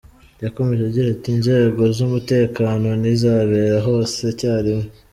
Yakomeje agira ati :"Inzego z’umutekano ntizabera hose icya rimwe.